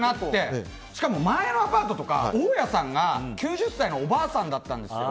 しかも前はアパートとか大家さんが９０歳のおばあさんだったんですよ。